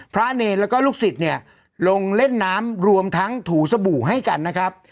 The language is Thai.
เนรแล้วก็ลูกศิษย์เนี่ยลงเล่นน้ำรวมทั้งถูสบู่ให้กันนะครับ